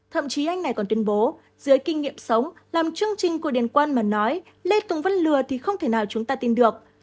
thậm chí anh này còn tuyên bố dưới kinh nghiệm sống làm chương trình của điền quan mà nói lê tùng vân lừa thì không thể nào chúng ta tin được